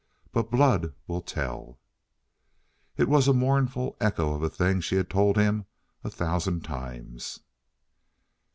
"But blood will tell!" It was a mournful echo of a thing she had told him a thousand times.